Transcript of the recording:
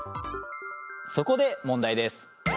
そこで問題です。